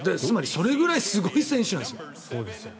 それくらいすごい選手なんです。